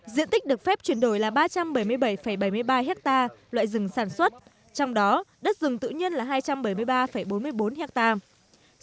diện tích được phép chuyển đổi là ba trăm bảy mươi bảy bảy mươi ba hectare loại rừng sản xuất trong đó đất rừng tự nhiên là hai trăm bảy mươi ba bốn mươi bốn hectare